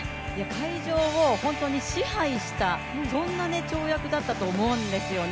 会場を本当に支配した、そんな跳躍だったと思うんですよね。